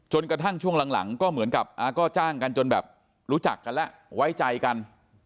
กระทั่งช่วงหลังก็เหมือนกับก็จ้างกันจนแบบรู้จักกันแล้วไว้ใจกัน